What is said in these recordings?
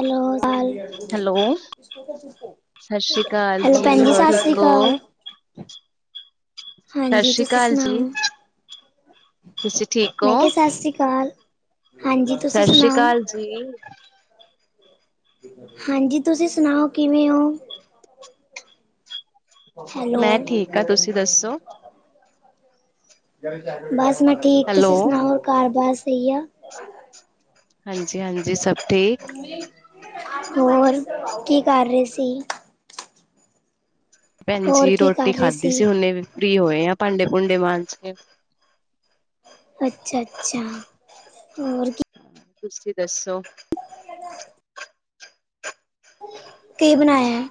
Hello ਲ- hello, ਸਤਿ ਸ੍ਰੀ ਅਕਾਲ ਹੈਲੋ ਭੈਣ ਜੀ ਹੋਰ ਸਤਿ ਸ੍ਰੀ ਠੀਕ ਅਕਾਲ। ਹੋ? ਸਤਿ ਹਾਂਜੀ ਸ੍ਰੀ ਤੁਸੀਂ ਅਕਾਲ ਜੀ, ਸੁਣਾਓ। ਤੁਸੀਂ ਠੀਕ ਮੈਂ ਹੋ? ਕਿਹਾ ਸਤਿ ਸ੍ਰੀ ਅਕਾਲ। ਹਾਂਜੀ। ਤੁਸੀਂ ਸਤਿ ਸ੍ਰੀ ਸੁਣਾਓ? [unintelligible] ਹਾਂਜੀ। ਤੁਸੀਂ ਸੁਣਾਓ ਕਿਵੇਂ ਹੋ। ਹੈਲੋ ਮੈਂ ਠੀਕ ਆ ਤੁਸੀਂ ਦੱਸੋ? ਬਸ ਮੈਂ ਠੀਕ ਹੈਲੋ, ਤੁਸੀਂ ਸੁਣਾਓ, ਹੋਰ ਘਾਰ ਬਾਹਾਰ ਸਹੀ ਆ। ਹਾਂਜੀ -ਹਾਂਜੀ ਸਭ ਠੀਕ। ਹੋਰ ਕੀ ਕਰ ਰਹੇ ਸੀ। ਹੋਰ ਭੈਣਜੀ ਕੀ ਰੋਟੀ ਕਰ ਰਹੇ ਖਾਧੀ ਸੀ ਹੁਨੇ, ਫ੍ਰੀ ਹੋਏ ਆ ਭਾਂਡੇ- ਭੂੰਡੇ ਮਾਂਜ ਕੇ। ਅੱਛਾ- ਅੱਛਾ, ਹੋਰ ਕੀ। ਹ ਤੁਸੀਂ ਦੱਸੋ। ਕੀ ਬਣਾਇਆ।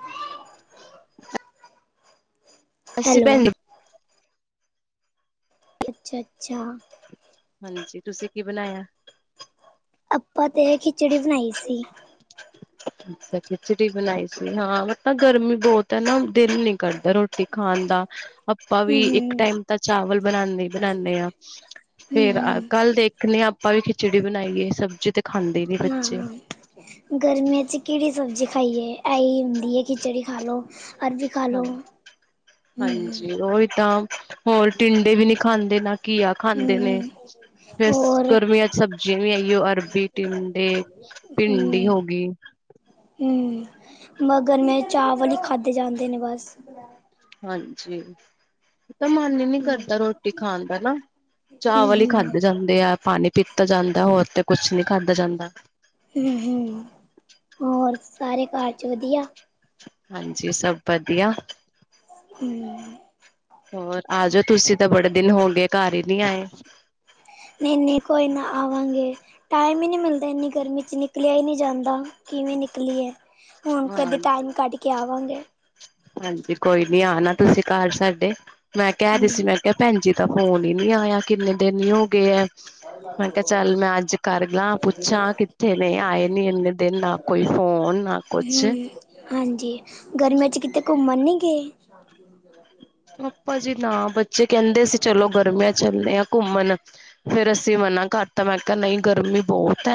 ਅੱਸੀ, ਹੈਲੋ ਭੈਣਜੀ ਅੱਛਾ -ਅੱਛਾ। ਹਾਂਜੀ, ਤੁਸੀਂ ਕੀ ਬਣਾਇਆ‌। ਆਪਾਂ ਤੇ ਖਿਚੜੀ ਬਣਾਈ ਸੀ। ਅੱਛਾ। ਅਛਾ ਖਿਚੜੀ ਬਣਾਈ ਸੀ, ਹਾਂ ਮ ਗਰਮੀ ਬਹੁਤ ਹੈ ਨਾ ਦਿਲ ਨੀ ਕੱਢਦਾ ਰੋਟੀ ਖਾਣ ਦਾ। ਆਪਾਂ ਵੀ ਇੱਕ ਹਮ ਟਾਈਮ ਤਾਂ ਚਾਵਲ ਬਣਾਉਂਦੇ ਹੀ ਬਣਾਨੇ ਹਾਂ, ਫੇਰ ਕੱਲ ਦੇਖ। ਦੇਖਨੇ ਆਪਾਂ ਵੀ ਖਿਚੜੀ ਬਣਾਈਏ, ਸਬਜ਼ੀ ਤੇ ਖਾਂਦੇ ਨੀ ਬੱਚੇ। ਹਮ ਹਾਂ ਗਰਮੀਆਂ ਚ ਕਿਹੜੀ ਸਬਜ਼ੀ ਖਾਈਏ, ਇਹੀ ਹੁੰਦੀ ਹੈ ਖਿਚੜੀ ਖਾ ਲਓ। ਹਾਂ ਹਮ ਹਾਂਜੀ ਉਹੀ ਤਾਂ। ਹੋਰ ਟਿੰਡੇ ਵੀ ਨਹੀਂ, ਖਾਂਦੇ ਨਾ ਘੀਆ ਖਾਂਦੇ ਨੇ। ਹਮ ਫੇਰ ਹੋਰ ਗਰਮੀਆਂ ਚ ਸਬਜ਼ੀਆਂ ਵੀ ਆਈਓ ਅਰਬੀ ਟਿਡੇ। ਭਿੰਡੀ ਹਮ ਹੋ ਗਈ। ਮਗਰ, ਮੈਂ ਚਾਵਲ ਹੀ ਖਾਧੇ ਜਾਂਦੇ ਨੇ ਬਸ। ਹਾਂਜੀ। ਤਾਂ ਮਨ ਹੀ ਨੀ ਹਮ ਕਰਦਾ, ਰੋਟੀ ਖਾਣ ਦਾ ਨਾ ਹਮ ਚਾਵਲ ਹੀ ਖਾਧੇ ਹਮ ਜਾਂਦੇ ਆ ਪਾਣੀ ਪੀਤਾ ਜਾਂਦਾ, ਹੋਰ ਤੇ ਕੁਛ ਨੀ ਖਾਦਾ ਜਾਂਦਾ। ਹੋਰ ਸਾਰੇ ਘਰ ਚ ਵਧੀਆ। ਹਾਂਜੀ ਸਭ ਵਧੀਆ। ਹਮ। ਹੋਰ ਆ ਜਾਓ ਤੁਸੀਂ ਤਾਂ ਬੜੇ ਦਿਨ ਹੋਗੇਏ, ਘਰ ਹੀ ਨਹੀਂ ਆਏ। ਨਹੀਂ -ਨਹੀਂ ਕੋਈ ਨਾ ਆਵਾਂਗੇ। ਟਾਈਮ ਹੀ ਨਹੀਂ ਮਿਲਦਾ, ਇੰਨੀ ਗਰਮੀ 'ਚ ਨਿਕਲਿਆ ਹੀ ਨਹੀਂ ਜਾਂਦਾ ਕਿਵੇਂ ਨਿਕਲੀ ਏ। ਹੁਣ ਕਦੇ ਹਾਂਜੀ ਟਾਈਮ ਕੱਢ ਕੇ ਆਵਾਂਗੇ। ਹਾਂਜੀ ਕੋਈ ਨੀ ਆਣਾ, ਤੁਸੀਂ ਘਰ ਸਾਡੇ ਮੈਂ ਕਹਿ ਰਹੀ ਹਮ ਸੀ ਮੈਂ ਕਿਹਾ ਭੈਣਜੀ ਤਾਂ ਫੋਨ ਹੀ ਨੀ ਆਇਆ, ਕਿੰਨੇ ਦਿਨ ਨ ਹੋ ਗਏ ਐ। ਮੈਂ ਕਿਹਾ ਚੱਲ ਮੈਂ ਅੱਜ ਕਰ ਲਾਂ ਪੁੱਛਾਂ, ਕਿੱਥੇ ਨੇ ਆਏ ਨੀ ਇੰਨੇ ਦਿਨ ਆਪ। ਕੋਈ ਫੋਨ ਨਾ ਕੁਛ। ਹਮ ਹਾਂਜੀ, ਗਰਮੀਆਂ 'ਚ ਕਿਤੇ ਘੁੰਮਣ ਨਹੀਂ ਗਏ। ਜ੍ਹਾ। ਪਾਪਾ ਜੀ ਨਾ ਬੱਚੇ ਕਹਿੰਦੇ ਸੀ, ਚਲੋ ਗਰਮੀਆਂ ਚੱਲਦੇ ਆ ਘੁੰਮਣ। ਫ਼ੇਰ ਅਸੀਂ ਮਨਾ ਕਰ ਤਾਂ, ਮੈਂ ਕਿਹਾ ਨਹੀਂ ਗਰਮੀ ਬਹੁਤ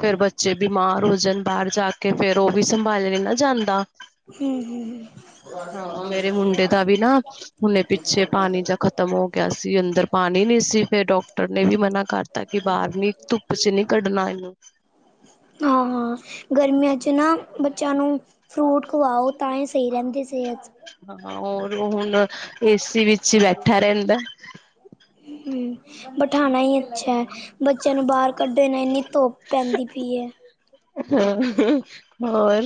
ਫੇਰ ਬੱਚੇ ਬਿਮਾਰ ਹੋ ਜਾਣ ਬਾਹਰ ਜਾ ਕੇ, ਫੇਰ ਉਹ ਵੀ ਸੰਭਾਲਾ ਨਹੀਂ ਨਾ ਜਾਂਦਾ। ਹਮ -ਹਮ, ਹ। ਤਾ ਵੀ ਨਾ ਹੁਨਣੇ ਪਿੱਛੇ ਪਾਣੀ ਜਾਂ ਖਤਮ ਹੋ ਗਿਆ ਸੀ ਅੰਦਰ ਪਾਣੀ ਨੀ ਸੀ, ਫੇਰ ਡਾਕਟਰ ਨੇ ਵੀ ਮਨਾ ਕਰਤਾ। ਤਾ ਕਿ ਬਾਹਰ ਨੀ ਧੁੱਪ ਚ ਨੀ ਕੱਢਣਾ ਇਹਨੂੰ। ਹਾਂ- ਹਾਂ ਗਰਮੀਆਂ ਚ ਨਾ ਬੱਚਿਆਂ ਨੂੰ ਫਰੂਟ ਖਵਾਓ, ਤਾਂ ਹੀ ਸਹੀ ਰਹਿੰਦੀ ਸਿਹਤ। ਹਾਂ ਹੋਰ ਹੁਣ ਏਸੀ ਵਿੱਚ ਬੈਠਾ ਰਹਿੰਦਾ। ਹਮ। ਬਿਠਾਣਾ ਹੀ ਅੱਛਾ ਹੈ, ਬੱਚਿਆਂ ਨੂੰ ਬਾਹਰ ਕੱਢੇ ਨਾਲ ਇੰਨੀ ਧੋੱਪ ਪੈਂਦੀ ਪਈ ਹੈ। ਹਮ ਹੋਰ।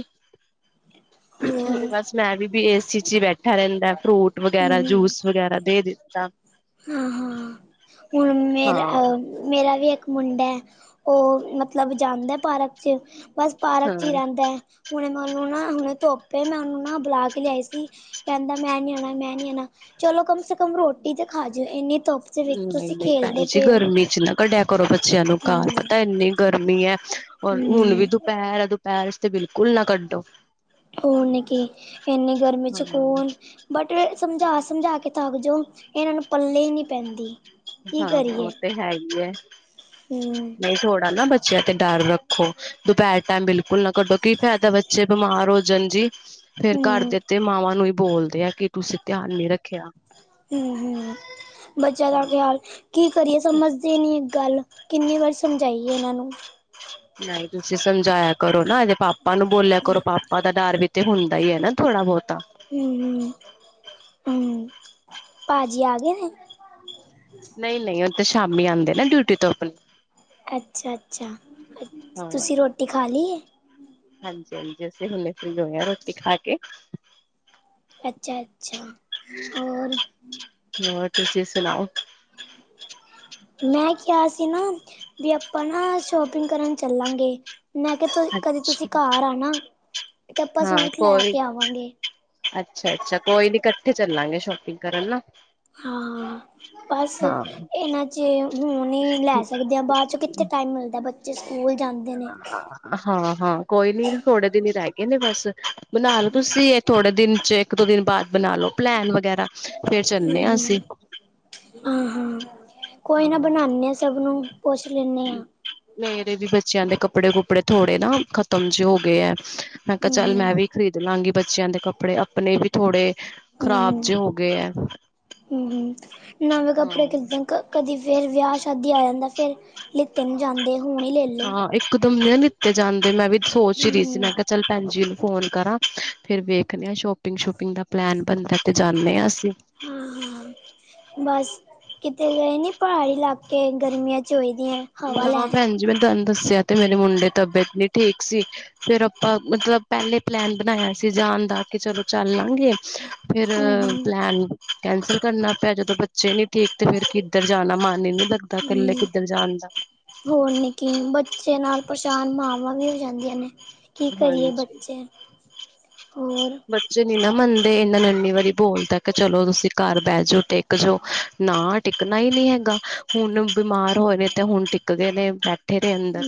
ਹੋਰ ਬਸ ਮੈਂ ਵੀ ਏਸੀ ਚ' ਹੀ ਬੈਠਾ ਰਹਿੰਦਾ ਫਰੂਟ ਵਗੈਰਾ ਜੂਸ ਵਗੈਰਾ ਦੇ ਦਿੱਤਾ। ਹਾਂ- ਹਾਂ ਹੁਣ ਮੇਰਾ ਹਾਂ ਅ ਮੇਰਾ ਵੀ ਇੱਕ ਮੁੰਡਾ ਹੈ। ਉਹ ਮਤਲਬ ਜਾਂਦਾ ਪਾਰਕ ਚ' ਬਸ ਪਾਰਕ ਹਾਂ ' ਹੀ ਰਹਿੰਦਾ। ਹੁਣੇ ਮੈਂ ਉਹਨੂੰ ਨਾ ਹੁਣੇ ਧੋੱਪੇ ਮੈਂ ਉਹਨੂੰ ਨਾ ਬੁਲਾ ਕੇ ਲਿਆਈ ਸੀ ਕਹਿੰਦਾ ਮੈਂ ਨੀ ਆਉਣਾ, ਮੈਂ ਨੀ ਆਉਣਾ। ਚਲੋ ਕਮ ਸੇ ਕਮ ਰੋਟੀ ਤੇ ਖਾ ਜਾਵੇ। ਇੰਨੀ ਧੁੱਪ ਦੇ ਵਿੱਚ ਨਹੀਂ- ਤੁਸੀਂ ਨਹੀਂ ਭੈਣ ਖੇਲਦੇ ਜੀ, ਪਏ ਹੋ ਗਰਮੀ ਚ' ਨਾ ਕਢਿਆ ਕਰੋ ਬੱਚਿਆਂ ਨੂੰ ਘਰ। ਪਤਾ ਇੰਨੇ ਗਰਮੀ ਹੈ। ਔਰ ਹੁਣ ਵੀ ਹੂੰ-ਹੂੰ ਦੁਪਹਿਰ ਹੈ ਦੁਪਹਿਰ ਤੇ ਬਿਲਕੁਲ ਨਾ ਕੱਢੋ। ਹੋ ਨਹੀਂ। ਕੀ ਇਨੇ ਗਰਮੀ ਚ' ਹਾਂ ਕੋਣ ਬਟ ਸਮਝਾ- ਸਮਝਾ ਕੇ ਥੱਕ ਜਿਓ। ਇਹਨਾਂ ਨੂੰ ਪੱਲੇ ਹੀ ਨਹੀਂ ਪੈਂਦੀ। ਕੀ ਹਾਂ, ਉਹ ਤੇ ਹੈ ਈ ਐ ਹੂੰ ਨਹੀਂ ਥੋੜ੍ਹਾ ਨਾ ਬੱਚਿਆਂ ਤੇ ਡਰ ਰੱਖੋ। ਦੁਪਹਿਰ ਟਾਈਮ ਬਿਲਕੁਲ ਨਾ ਕੱਢੋ ਕੀ ਫਾਇਦਾ ਬੱਚੇ ਬਿਮਾਰ ਹੋ ਜਾਣ ਜੀ। ਫੇਰ ਘਰ ਦੇ ਤੇ ਮਾਵਾਂ ਨੂੰ ਹੀ ਬੋਲਦੇ ਆ ਕਿ ਤੁਸੀਂ ਧਿਆਨ ਨੀ ਰੱਖਿਆ। ਹੂੰ ਹੂੰ ਬੱਚਿਆਂ ਦਾ ਖਿਆਲ ਕੀ ਕਰੀਏ ਸਮਝਦੇ ਨੀ ਇੱਕ ਗੱਲ। ਕਿੰਨੀ ਵਾਰੀ ਸਮਝਾਈਏ ਇਹਨਾਂ ਨੂੰ। ਨਹੀਂ ਤੁਸੀਂ ਸਮਝਾਇਆ ਕਰੋ ਨਾ ਇਹਦੇ ਪਾਪਾ ਨੂੰ ਬੋਲਿਆ ਕਰੋ। ਪਾਪਾ ਉਹਦਾ ਡਰ ਵੀ ਤੇ ਹੁੰਦਾ ਈ ਹੈ ਨਾ ਥੋੜ੍ਹਾ- ਬਹੁਤਾ। ਹੂੰ ਹੂੰ ਭਾਜੀ ਆ ਗਏ ਨੇ। ਨਹੀਂ- ਨਹੀਂ ਉਹ ਤੇ ਸ਼ਾਮੀ ਆਉਂਦੇ ਨਾ ਡਿਊਟੀ ਤੋਂ ਆਪਣੇ। ਅੱਛਾ- ਅੱਛਾ, ਹਾਂ ਤੁਸੀਂ ਰੋਟੀ ਖਾ ਲਈ ਏ? ਹਾਂਜੀ- ਹਾਂਜੀ ਅਸੀਂ ਹੁਨੇ ਫਰੀ ਹੋਏ ਆ ਰੋਟੀ ਖਾ ਕੇ। ਅੱਛਾ- ਅੱਛਾ। ਹੋਰ ਹੋਰ ਤੁਸੀਂ ਸੁਣਾਓ? ਮੈਂ ਕਿਹਾ ਸੀ ਨਾ ਵੀ ਆਪਾਂ ਨਾ ਸ਼ੋਪਿੰਗ ਕਰਨ ਚੱਲਾਂਗੇ। ਮੈਂ ਕਿਹਾ, ਕਦੇ ਤੁਸੀਂ ਅੱਛਾ ਘਰ ਆਣਾ। ਤੇ ਆਪਾਂ ਹਾਂ, ਸੂਟ ਲੈ ਕੋਈ ਕੇ ਆਵਾਂਗੇ ਅੱਛਾ- ਅੱਛਾ। ਕੋਈ ਨੀ ਕੱਠੇ ਚੱਲਾਂਗੇ ਸ਼ੋਪਿੰਗ ਕਰਨ ਨਾ। ਹਾਂ। ਬਸ ਹਾਂ ਇਹਨਾਂ 'ਚ ਹੁਣ ਹੀ ਲੈ ਸਕਦੇ ਹਾਂ ਬਾਅਦ 'ਚ ਕਿੱਥੇ ਟਾਈਮ ਮਿਲਦਾ। ਬੱਚ ਬੱਚੇ ਸਕੂਲ ਜਾਂਦੇ ਨੇ। ਹਾਂ- ਹਾਂ ਕੋਈ ਨੀ ਥੋੜੇ ਦਿਨ ਹੀ ਰਹਿ ਗਏ ਨੇ ਬਸ ਬਨਾ ਲਓ ਤੁਸੀਂ ਥੋੜੇ ਦਿਨ ਚ' ਇੱਕ -ਦੋ ਦਿਨ ਬਾਅਦ ਬਣਾ ਲਓ ਪਲੈਨ ਵਗੈਰਾ। ਫੇਰ ਚੱਲਨੇ ਆ ਹਮ ਅਸੀਂ। ਹਾਂ- ਹਾਂ ਕੋਈ ਨਾ ਹਾਂ ਬਣਾਨੇ ਆ ਸਭ ਨੂੰ, ਪੁੱਛ ਲੈਂਨੇ ਆ ਮੇਰੇ ਵੀ ਬੱਚਿਆਂ ਦੇ ਕੱਪੜੇ- ਕੁਪੜੇ ਥੋੜੇ ਨਾ ਖ਼ਤਮ ਜੇ ਹੋ ਗਏ ਆ ਮੈਂ ਕਿਹਾ ਚੱਲ ਹਮ ਮੈਂ ਵੀ ਖਰੀਦ ਲਾਂਗੀ ਬੱਚਿਆਂ ਦੇ ਕੱਪੜੇ, ਆਪਣੇ ਵੀ। ਥੋੜੇ ਖ਼ਰਾਬ ਹਮ ਜੇ ਹੋ ਗਏ ਏ ਹਮ ਨਵੇਂ ਹਾਂ। ਕੱਪੜੇ ਕਿੱਦਾਂ ਕਦੀ ਫੇਰ ਵਿਆਹ, ਸ਼ਾਦੀ ਆ ਜਾਂਦਾ ਫੇਰ ਲਿੱਤੇ ਨੀ ਜਾਂਦੇ। ਹੁਣ ਈ ਲੇ ਲਓ। ਇਕ ਦਮ ਨੀ ਲਿਤੇ ਜਾਂਦੇ ਮੈਂ ਵੀ ਸੋਚ ਹੀ ਰਹੀ ਸੀ ਹਮ ਮੈਂ ਕਿਹਾ, ਚੱਲ ਭੈਣ ਜੀ ਨੂੰ ਫ਼ੋਨ ਕਰਾਂ। ਫਿਰ ਵੇਖਦੇ ਹਾਂ ਸ਼ੋਪਿੰਗ- ਸ਼ੂਪਿੰਗ ਦਾ ਪਲੈਨ ਬਣਦਾ ਤੇ ਜਾਂਨੇ ਆ ਅਸੀਂ। ਹਾਂ- ਹਾਂ ਬਸ ਕਿਤੇ ਗਏ ਨੀ ਪਹਾੜੀ ਇਲਾਕੇ ਗਰਮੀਆਂ ਚ'? ਚੋਈਦੀਆਂ। ਨਾ ਭੈਣ ਜੀ, ਮੈਂ ਤਾਨੂੰ ਦੱਸਿਆ ਤੇ ਮੇਰੀ ਮੁੰਡੇ ਦੀ ਤਬੀਅਤ ਨਹੀਂ ਠੀਕ ਸੀ। ਫੇਰ ਆਪਾਂ ਮਤਲਬ ਪਹਿਲੇ ਪਲੈਨ ਬਣਾਇਆ ਸੀ ਜਾਣ ਦਾ ਕੇ ਚਲੋ ਚੱਲ ਲਾਂਗੇ। ਫੇਰ, ਹਮ ਪਲੈਨ ਕੈਂਸਲ ਕਰਨਾ ਪਿਆ। ਜਦੋਂ ਬੱਚੇ ਨੀ ਠੀਕ ਤੇ ਫੇਰ ਕਿੱਧਰ ਜਾਣਾ ਮਨ ਹੀ ਨੀ ਲੱਗਦਾ ਕੱਲੇ ਹਮ ਕਿੱਧਰ ਜਾਣ ਦਾ। ਹੋਰ ਨੇ ਕੀ ਬੱਚੇ ਨਾਲ ਪਰੇਸ਼ਾਨ ਮਾਵਾਂ ਵੀ ਹੋ ਜਾਂਦੀਆਂ ਨੇ। ਕੀ ਕਰੀਏ ਹਾਂਜੀ। ਬੱਚੇ। ਹੋਰ ਬੱਚੇ ਨੀ ਨਾ ਮੰਨਦੇ ਇਨਾ ਨੂੰ ਇੰਨੀ ਵਾਰੀ ਬੋਲਤਾ ਕਿ ਚਲੋ ਤੁਸੀਂ ਘਰ ਬਹਿ ਜਾਓ, ਟਿਕ ਜਾਓ। ਨਾ। ਟਿਕਣਾ ਹੀ ਨਹੀ ਹੈਗਾ ਹੁਣ ਬਿਮਾਰ ਹੋਏ ਨੇ ਤੇ ਹੁਣ ਟਿਕ ਗਏ ਨੇ ਬੈਠੇ ਦੇ ਅੰਦਰ।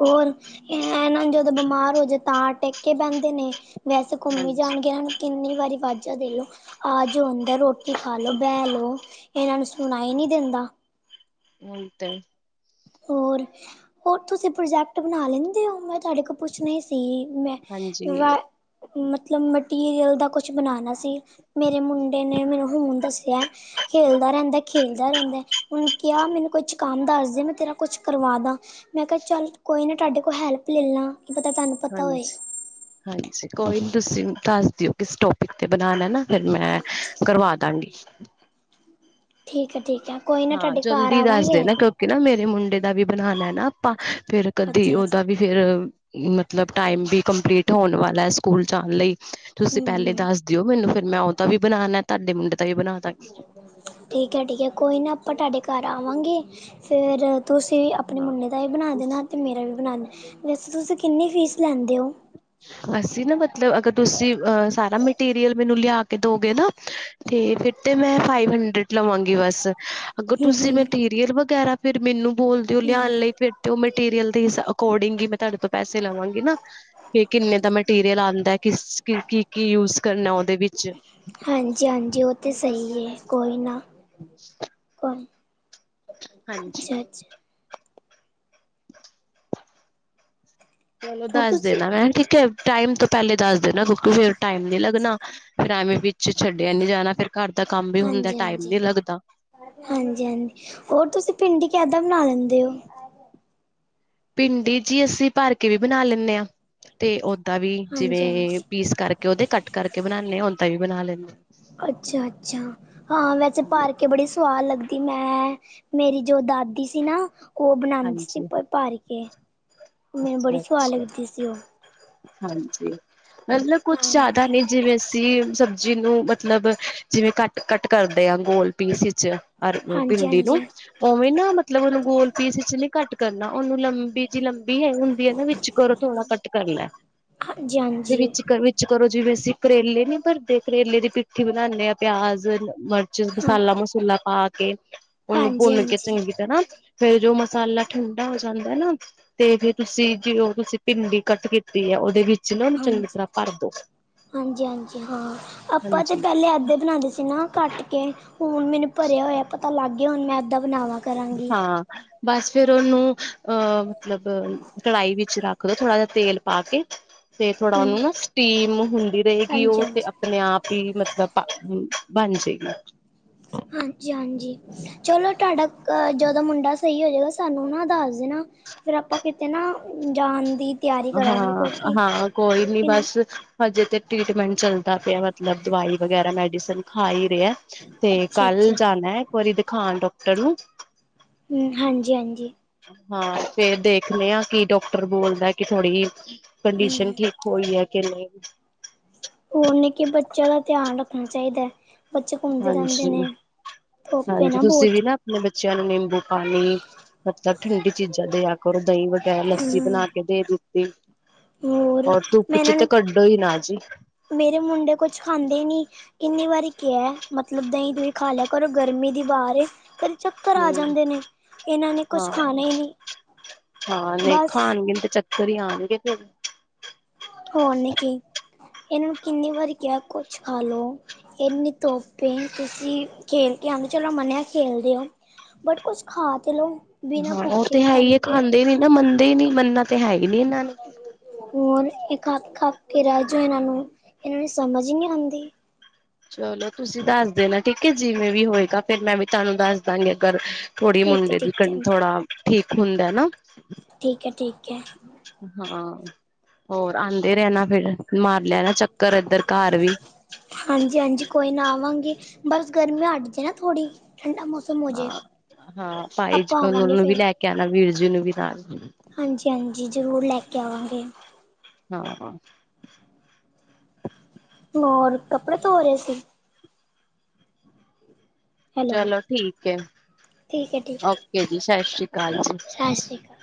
ਹੋਰ ਇਹ ਨਾਂ ਜਦੋਂ ਬਿਮਾਰ ਹੋ ਜਾਣ ਤਾਂ ਟਿਕ ਕੇ ਬਹਿੰਦੇ ਨੇ ਵੈਸੇ ਘੁੰਮੀ ਹਾਂਜੀ ਜਾਣਗੇ ਇਨਾਂ ਨੂੰ ਕਿੰਨੀ ਵਾਰੀ ਵਾਜਾ ਦੇ ਲੋੋ ਆ ਜਾੳ ਰੁਣ ਰੋਟੀ ਖਾਾਲ ਲੋ ਬਹਿ ਲੋੋ ਇਹਨਾਂ ਨੂੰ ਸੁਣਾਈ ਹੀ ਨਹੀਂ ਦਿੰਦਾ। ਉਹੀ ਤੇ। ਹੋਰ, ਹੋਰ ਤੁਸੀਂ ਪ੍ਰੋਜੈਕਟ ਬਨਾ ਲੈਂਦੇ ਹੋ ਮ ਤੁਹਾਡੇ ਕੋਲ ਪੁੱਛਨਾ ਹੀ ਸੀ ਮੈਂ ਹਾਂਜੀ ਵ ਮਤਲਬ ਮਟੀਰੀਅਲ ਦਾ ਕੁਛ ਬਨਾਨਾ ਸੀ। ਮੇਰੇ ਮੁੰਡੇ ਨੇ ਮੈਨੂੰ ਹੁਨ ਦੱਸਿਆ। ਖੇਲਦਾ ਰਹਿੰਦਾ ਖੇਲਦਾ ਰਹਿੰਦਾ ਉਹਨੂੰ ਕਿਆ ਮੈਨੂੰ ਕੰਮ ਦੱਸ ਦੇ ਮੈ ਤੇਰਾ ਕੁਛ ਕਰਵਾਦਾ ਮੈਂ ਕਿਆ ਚੱਲ ਕੋਈ ਨੀ ਤੁਹਾਡੇ ਕੋਲ ਹੈਲਪ ਲੈ ਲਾ। ਹਾਂਜੀ-ਹਾਂਜੀ ਕੋਈ ਨੀ ਤੁਸੀਂ ਦੱਸ ਦਿਓ ਕਿਸ ਟੋਪਿਕ ਤੇ ਬਨਾਨਾ ਨਾ। ਫਿਰ ਮੈਂ ਕਰਵਾ ਦਾਂਗੀ। ਠੀਕ ਐ, ਠੀਕ ਐ। ਹਾਂ ਜਲਦੀ ਦੱਸ ਦੇਨਾ ਕਿਉਂਕਿ ਨਾ ਮੇਰੇ ਮੁੰਡੇ ਦਾ ਵੀ ਬਨਾਨਾ ਨਾ ਆਪਾਂ ਫੇਰ ਕਦੇ ਅੱਛਾ ਓਦਾ ਵੀ ਅੱਛਾ ਫੇਰ ਮਤਲਬ ਟਾਈਮ ਵੀ ਕੰਪਲੀਟ ਹੋਨ ਵਾਲਾ ਸਕੂਲ ਜਾਨ ਲਈ। ਤੁਸੀਂ ਹਮ ਪੈਲੇ ਹਮ ਦੱਸ ਦਿਓ ਮੈਨੂੰ ਫਿਰ ਮੈਂ ਉਹਦਾ ਵੀ ਬਨਾਨਾ ਤੁਹਾਡੇ ਮੁੰਡੇ ਦਾ ਵੀ ਬਨਾ ਦਾਂਗੀ। ਠੀਕ ਐ, ਠੀਕ ਐ ਕੋਈ ਨਾ ਆਪਾਂ ਤੁਹਾਡੇ ਘਰ ਆਵਾਂਗੇ ਫੇਰ ਤੁਸੀਂ ਆਪਣੇ ਹਾਂ ਮੁੰਡੇ ਦਾ ਵੀ ਬਣਾ ਦੇਨਾ ਤੇ ਮੇਰਾ ਵੀ ਬਨਾਨਾ, ਵੈਸੇ ਤੁਸੀਂ ਕਿੰਨੀ ਫੀਸ ਲੈਂਦੇ ਹੋ। ਅਸੀਂ ਨਾ ਮਤਲਬ ਅਗਰ ਤੁਸੀਂ ਅਹ ਸਾਰਾ ਮਟੀਰੀਅਲ ਮੈਨੂੰ ਲਿਆ ਕੇ ਦੋਗੇ ਨਾ ਤੇ ਫਿਰ ਤੇ ਮੈਂ ਫਾਈਵ ਹੰਡਰਡ ਲਵਾਂਗੀ ਬਸ। ਅਗਰ ਹੂੰ ਤੁਸੀਂ ਹੂੰ ਮਟੀਰੀਅਲ ਵਗੈਰਾ ਫੇਰ ਮੈਨੂੰ ਬੋਲਦੇ ਓ ਲਿਆਨ ਹੂੰ ਲਈ ਫੇਰ ਤੇ ਓ ਮਟੀਰੀਅਲ ਦੇ ਹਿੱਸਾ ਅਕੋਰਡਿੰਗ ਹੀ ਮੈਂ ਤੁਹਾਡੇ ਤੋਂ ਪੈਸੇ ਲਵਾਂਗੀ ਨਾ। ਕੀ ਕਿੰਨੇ ਦਾ ਮਟੀਰੀਅਲ ਆਉਂਦਾ ਹੈ ਕਿਸ ਕੀ-ਕੀ ਯੂਜ ਕਰਨਾ ਉਦੇ ਵਿੱਚ। ਹਾਂਜੀ-ਹਾਂਜੀ ਓ ਤੇ ਸਹੀ ਏ ਕੋਈ ਨਾ ਕੋਈ ਹਾਂਜੀ। ਅੱਛਾ ਅੱਛਾ ਚਲੋ ਉਹ ਦੱਸ ਤੁਸੀਂ ਦੇਨਾ ਹੈ ਠੀਕ ਏ। ਟਾਈਮ ਤੋਂ ਪੈਲੇ ਦੱਸ ਦੇਨਾ ਕਿਉਂਕਿ ਫਿਰ ਟਾਈਮ ਨੀ ਲਗਨਾ ਫੇਰ ਐਵੇਂ ਵਿੱਚ ਛੱਡਿਆ ਨੀ ਜਾਨਾ ਫਿਰ ਕਰ ਦਾ ਕੰਮ ਵੀ ਹੁੰਦਾ ਟਾਈਮ ਨੀ ਲੱਗਦਾ। ਹਾਂਜੀ-ਹਾਂਜੀ ਹੋਰ ਤੁਸੀਂ ਪਿੰਡੀ ਕੇਦਾਂ ਬਨਾ ਲੈਂਦੇ ਹੋ। ਭਿੰਡੀ ਜੀ ਅਸੀਂ ਭਰ ਕੇ ਵੀ ਬਨਾ ਲੈਨੇ ਆ ਤੇ ਓਦਾਂ ਵੀ ਹਾਂਜੀ ਜਿਵੇਂ ਹਾਂਜੀ ਪੀਸ ਕਰ ਕੇ ਉਹਦੇ ਕੱਟ ਕਰਕੇ ਬਨਾਨੇ ਆ ਉਦਾਂ ਵੀ ਬਣਾ ਲੈਂ ਅੱਛਾ-ਅੱਛਾ ਹਾਂ ਵੈਸੇ ਭਰ ਕੇ ਬੜੀ ਸਵਾਦ ਲੱਗਦੀ ਮੈਂ ਮੇਰੀ ਜੋ ਦਾਦੀ ਸੀ ਨਾ ਓ ਬਨਾਦੀ ਸੀ ਹਾਂਜੀ ਭਰ ਕੇ ਮੈਨੂੰ ਬੜੀ ਅੱਛਾ ਸੁਆਦ ਅੱਛਾ ਲੱਗਦੀ ਸੀ ਓ। ਹਾਂਜੀ ਮਤਲਬ ਕੁਛ ਹਾਂ। ਜਾਦਾ ਨੀ ਜਿਵੇਂ ਅਸੀਂ ਸਬਜ਼ੀ ਨੂੰ ਮਤਲਬ ਜਿਵੇਂ ਕੱਟ-ਕੱਟ ਕਰਦੇ ਆ ਗੋਲ ਪੀਸ ਵਿੱਚ। ਅਰ ਪਿੰਡੀ ਨੂੰ। ਹਾਂਜੀ-ਹਾਂਜੀ, ਉਵੇਂ ਨਾ ਮਤਲਬ ਉਹਨੂੰ ਗੋਲ ਪੀਸ ਇਚ ਨੀ ਕੱਟ ਕਰਨਾ ਉਹਨੂੰ ਲੰਬੀ ਜਿਹੀ ਲੰਬ ਵੀ ਹੈ ਹੁੰਦੀ ਹੈ ਨਾ ਵਿੱਚ ਕਰੋ ਥੋੜਾ ਕੱਟ ਕਰਨਾ ਤੇ ਹਾਂਜੀ-ਹਾਂਜੀ, ਵਿੱਚ ਕਰੋ ਜਿਵੇਂ ਅਸੀਂ ਕਰੇਲੇ ਨੀ ਭਰਦੇ ਕਰੇਲੇ ਦੀ ਪ ਜੀ ਬਨਾਨੇ ਆ ਪਿਆਜ, ਮਰਚ, ਹਾਂ, ਮਸਾਲਾ-ਮਸੂਲਾ ਪਾ ਕੇ। ਉਨੂੰ ਭੁੰਨ ਕੇ ਹਾਂਜੀ-ਹਾਂਜੀ। ਚੰਗੀ ਤਰ੍ਹਾਂ ਫੇਰ ਜੋ ਮਸਾਲਾ ਠੰਡਾ ਹੋ ਜਾਂਦਾ ਨਾ ਤੇ ਫਿਰ ਤੁਸੀਂ ਜੇ ਉਹ ਤੁਸੀਂ ਭਿੰਡੀ ਕੱਟ ਕੀਤੀ ਏ ਉਹਦੇ ਵਿੱਚ ਨਾ ਉਹਨੂੰ ਚੰਗੀ ਹਾਂਜੀ, ਤਰ੍ਹਾਂ ਭਰਦੋ। ਹਾਂਜੀ-ਹਾਂਜੀ ਹਾਂ ਆਪਾਂ ਤੇ ਹਾਂਜੀ ਪੈਲੇ ਏਦਾ ਬਨਾਦੇ ਸੀ ਨਾ ਕੱਟ ਕੇ। ਹੁਣ ਮੈਨੂੰ ਭਰਿਆ ਹੋਇਆ ਪਤਾ ਲੱਗ ਗਿਆ ਹੁਣ ਮੈਂ ਏਦਾਂ ਬਣਾਵਾ ਕਰਾਂਗੀ ਹਾਂ ਬਸ ਫੇਰ ਓਨੂੰ ਅਹ ਮਤਲਬ ਕੜਾਹੀ ਵਿੱਚ ਰੱਖ ਦੋ ਥੋੜ੍ਹਾ ਜਾ ਤੇਲ ਪਾ ਕੇ। ਤੇ ਥੋੜਾ ਹੂੰ, ਓਨੂੰ ਨਾ ਸਟੀਮ ਹੁੰਦੀ ਰਹੇਗੀ ਉਹ ਤੇ ਹਾਂਜੀ-ਹਾਂਜੀ। ਅਪਨੇ ਆਪ ਹੀ ਮਤਲਬ ਬਨ ਜੇਗੀ। ਹਾਂਜੀ-ਹਾਂਜੀ। ਚਲੋ ਤਾਡਾ ਅ ਜਦੋ ਮੁੰਡਾ ਸਈ ਹੋ ਜੇਗਾ ਸਾਨੂੰ ਨਾ ਦਸ ਦੇਣਾ। ਫੇਰ ਆਪਾਂ ਕਿਤੇ ਨਾ ਜਾਨ ਦੀ ਤਿਆਰੀ ਕਰਾਂਗੇ ਹਾਂ ਕਿਉਂਕਿ ਹਾਂ ਕੋਈ ਨੀ ਕਿ ਬਸ ਹਜੇ ਤੇ ਟ੍ਰੀਟਮੈਂਟ ਚੱਲਦਾ ਪੇਆ ਮਤਲਬ ਦਵਾਈ ਵਗੈਰਾ ਮੈਡੀਸਨ ਖਾ ਆ ਰੇਆ। ਤੇ ਕੱਲ ਅੱਛਾ-ਅੱਛਾ, ਜਾਨੈ ਇੱਕ ਵਾਰੀ ਦਿਖਾਨ ਡੋਕਟਰ ਨੂੰ। ਹੁੰ ਹਾਂਜੀ-ਹਾਂਜੀ। ਹਾਂ, ਫੇਰ ਦੇਖਨੇ ਆ ਕੀ ਡੋਕਟਰ ਬੋਲਦੈ ਕਿ ਥੋੜ੍ਹੀ ਕੰਡੀਸ਼ਨ ਠੀਕ ਹੋਈ ਐ ਕੇ ਨੀ। ਹੋਰ ਨਿੱਕੇ ਬੱਚਿਆਂ ਦਾ ਧਿਆਨ ਰੱਖਣਾ ਚਾਇਦੈ। ਬੱਚੇ ਘੁੰਮਦੇ ਰੈਂਦੇ ਹਾਂਜੀ ਨੇ ਧੋਪ ਏ ਹਾਂਜੀ ਨਾ ਤੁਸੀਂ ਬੋਤ। ਵੀ ਨਾ ਬੱਚਿਆਂ ਨੂੰ ਨਿੰਬੂ ਪਾਨੀ ਮਤਲਬ ਠੰਡੀ ਚੀਜ਼ਾਂ ਦੇਆ ਕਰੋ ਦਈ ਵਗੈਰਾ ਲੱਸੀ ਹੂੰ ਬਣਾ ਕੇ ਦੇ ਦਿੱਤੀ ਹੋਰ ਔਰ ਧੁੱਪ ਮੈਂ ਚ ਇਹਨਾਂ ਤੇ ਨੂੰ ਕੱਢੋ ਇ ਨਾ ਜੀ। ਮੇਰੇ ਮੁੰਡੇ ਕੋਛ ਖਾਂਦੇ ਈ ਨੀ। ਇੰਨੀ ਵਾਰੀ ਕੇਆ ਏ ਮਤਲਬ ਦਈ, ਦੂਈ ਖਾ ਲਿਆ ਕਰੋ ਗਰਮੀ ਦੀ ਵਾਰ ਏ ਫੇਰ ਚੱਕਰ ਆ ਹਮ ਜਾਂਦੇ ਨੇ ਏਨਾਂ ਨੇ ਕੁਛ ਹਾਂ ਖਾਨਾ ਈ ਨੀ। ਹਾਂ ਨਈ ਖਾਣਗੇ ਤੇ ਚੱਕਰ ਈ ਆਣਗੇ ਫੇਰ। ਹੋ ਨੀ ਕੀ ਏਨੂ ਕਿੰਨੀ ਵਾਰੀ ਕਿਆ ਕੋਛ ਖਾ ਲੋ। ਏਨੀ ਧੋਪ ਏ ਤੁਸੀ ਖੇਲ ਕੇ ਆਂਦੇ ਓ ਚਲੋ ਮਨੇਆ ਖੇਲਦੇ ੳ। ਬਟ ਕੋਛ ਖਾ ਤੇ ਲਓ। ਹਾਂ ਐ ਤੇ ਭੁੱਖੇ ਹੈ ਇ ਖਾਲੀ ਏ ਪੇਟ ਖਾਂਦੇ ਨੀ ਨਾ ਮੰਨਦੇ ਨੀ ਮਨਨਾ ਤੇ ਹੈ ਈ ਨੀ ਏਨਾਂ ਨੇ। ਹੋਰ ਏ ਖਪ ਖਪ ਕੇ ਰੇ ਜੋ ਏਨਾਂ ਨੂੰ ਏ ਨੇ ਸਮਝ ਈ ਨੀ ਆਂਦੀ। ਚਲੋ ਤੁਸੀਂ ਦਾਸ ਦੇਣਾ ਠੀਕ ਏ ਜਿਵੇਂ ਵੀ ਹੋਏਗਾ ਫੇਰ ਮੈਂ ਵੀ ਤਾਨੂੰ ਦਸ ਦਾਗੀ ਅਗਰ ਥੋੜੀ ਠੀਕ ਹੈ ਮੁੰਡੇ ਦੀ ਠੀਕ ਹੈ ਕੰਨੀ ਥੋੜਾ ਠੀਕ ਹੁੰਦੈ ਨਾ। ਠੀਕ ਐ ਠੀਕ ਐ। ਹਾਂ, ਹੋਰ ਆਂਦੇ ਰੈਨਾ ਫੇਰ ਮਾਰ ਲੇਨਾ ਚੱਕਰ ਏਧਰ ਘਾਰ ਵੀ। ਹਾਂਜੀ- ਹਾਂਜੀ ਕੋਈ ਨਾ ਆਵਾਂਗੇ ਬਸ ਗਰਮੀ ਹੱਟ ਜੇ ਨਾ ਥੋੜ੍ਹੀ। ਠੰਡਾ ਮੌਸਮ ਹੋ ਹਾਂ, ਜੇ ਹਾਂ ਪਾਈਜ ਆਪਾਂ ਆਵਾਂਗੇ ਉਨੂੰ ਵੀ ਲੈ ਕੇ ਆਣਾ ਵੀਰ ਜੀ ਨੂੰ ਵੀ ਨਾਲ। ਹਾਂਜੀ-ਹਾਂਜੀ ਜਰੂਰ ਲੈ ਕੇ ਆਵਾਂਗੇ। ਹਾਂ- ਹਾਂ। ਹੋਰ ਕੱਪੜੇ ਧੋ ਰੇ ਸੀ? ਹੈਲੋ ਚਲੋ ਠੀਕ ਏ ਠੀਕ ਹੈ ਠੀਕ ਓਕ ਹੈ ਕੇ ਜੀ ਸਸ਼੍ਰੀਕਾਲ ਜੀ। ਸਤਿ ਸ਼੍ਰੀ ਅਕਾਲ